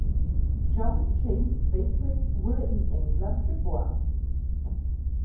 John James Beckley wurde in England geboren.